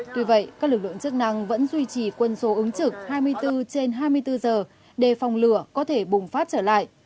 tuy vậy các lực lượng chức năng vẫn duy trì quân số ứng trực hai mươi bốn trên hai mươi bốn giờ để phòng lửa có thể bùng phát trở lại